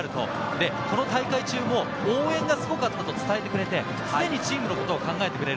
この大会中も応援がすごかったと伝えてくれて、常にチームのことを考えてくれる。